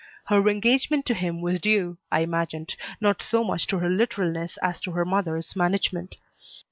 Her engagement to him was due, I imagined, not so much to her literalness as to her mother's management.